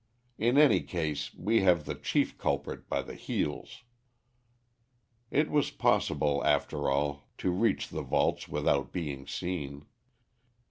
In any case, we have the chief culprit by the heels." It was possible, after all, to reach the vaults without being seen.